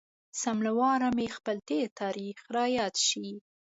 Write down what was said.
سم له واره مې خپل تېر تاريخ را یاد شي.